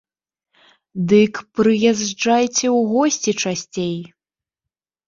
Дык прыязджайце ў госці часцей!